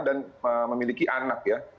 dan memiliki anak ya